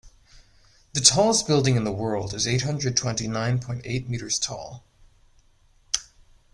The tallest building in the world is eight hundred twenty nine point eight meters tall.